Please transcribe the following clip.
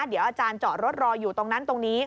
เดี๋ยวอาจารย์จอดรถรออยู่ตรงนั้นตรงนี้